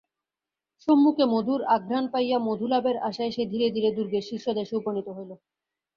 সম্মুখে মধুর আঘ্রাণ পাইয়া মধুলাভের আশায় সে ধীরে ধীরে দুর্গের শীর্ষদেশে উপনীত হইল।